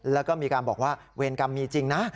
แล้วก็มีการบอกว่าเวรกรรมมีจริงนะ